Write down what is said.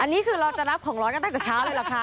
อันนี้คือเราจะรับของร้อยกันตั้งแต่เช้าเลยเหรอคะ